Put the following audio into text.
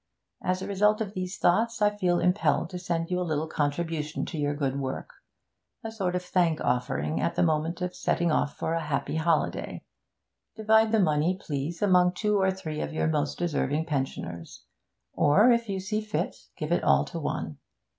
As a result of these thoughts, I feel impelled to send you a little contribution to your good work a sort of thank offering at the moment of setting off for a happy holiday. Divide the money, please, among two or three of your most deserving pensioners; or, if you see fit, give it all to one.